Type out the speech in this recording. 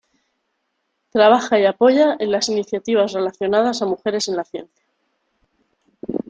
Trabaja y apoya en las iniciativas relacionadas a mujeres en la ciencia.